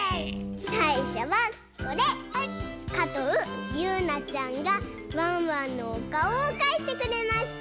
かとうゆうなちゃんがワンワンのおかおをかいてくれました。